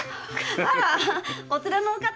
あらお連れのお方？